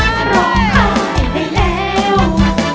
ร้องหายได้แล้ว